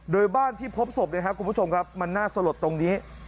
โดยบ้านที่พบศพนะครับคุณผู้ชมครับมันน่าสลดตรงนี้